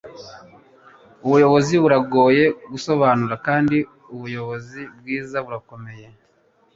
ubuyobozi buragoye gusobanura kandi ubuyobozi bwiza burakomeye